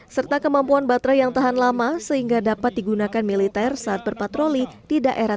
serta kemampuan baterai yang tahan lama sehingga dapat digunakan militer saat berpatroli di daerah